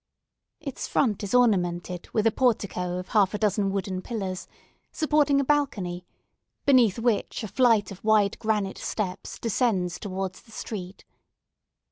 Its front is ornamented with a portico of half a dozen wooden pillars, supporting a balcony, beneath which a flight of wide granite steps descends towards the street.